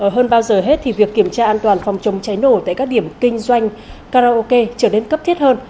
hơn bao giờ hết thì việc kiểm tra an toàn phòng chống cháy nổ tại các điểm kinh doanh karaoke trở nên cấp thiết hơn